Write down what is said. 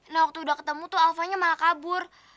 nah waktu udah ketemu tuh alfanya malah kabur